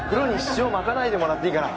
「塩まかないでもらっていいかな？」。